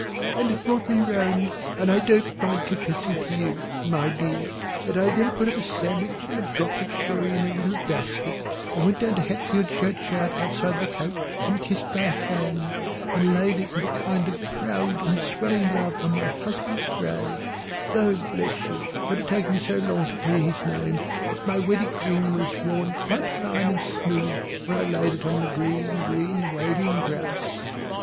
And it brought me round, and I don't mind confessing to you my dear that I then put a sandwich and a drop of sherry in a little basket and went down to Hatfield church yard outside the coach and kissed my hand and laid it with a kind of proud and swelling love on my husband's grave, though bless you it had taken me so long to clear his name that my wedding ring was worn quite fine and smooth when I laid it on the green green waving grass.